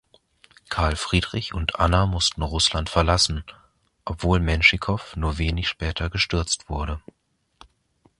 Karl Friedrich und Anna mussten Russland verlassen, obwohl Menschikow nur wenig später gestürzt wurde.